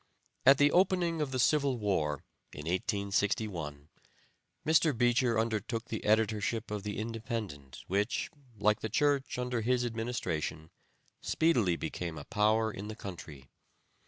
At the opening of the civil war, in 1861, Mr. Beecher undertook the editorship of the Independent which, like the church under his administration, speedily became a power in the country.